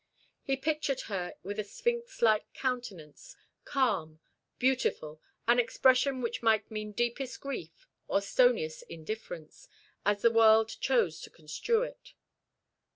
He pictured her with a sphinx like countenance, calm, beautiful, an expression which might mean deepest grief or stoniest indifference, as the world chose to construe it.